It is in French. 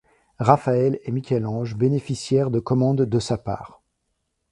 Raphaël et Michel-Ange bénéficièrent de commandes de sa part.